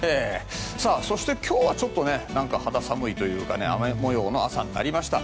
そして今日はちょっと肌寒いというか雨模様の朝になりました。